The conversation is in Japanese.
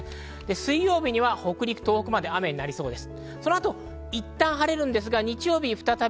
水曜には北陸、東北まで雨になりそうです。